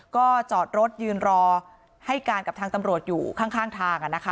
ก็จอดรถยืนรอให้การกับทางตำรวจอยู่ข้างทาง